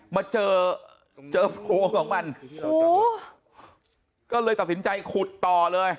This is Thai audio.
มาเจอเจอผัวของมันก็เลยตัดสินใจขุดต่อเลย